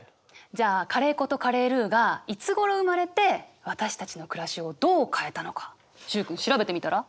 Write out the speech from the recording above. じゃあカレー粉とカレールーがいつごろ生まれて私たちの暮らしをどう変えたのか習君調べてみたら？